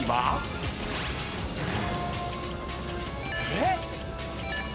えっ⁉